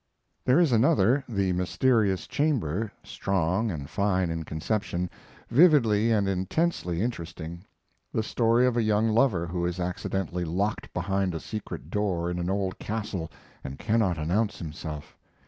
There is another, "The Mysterious Chamber," strong and fine in conception, vividly and intensely interesting; the story of a young lover who is accidentally locked behind a secret door in an old castle and cannot announce himself.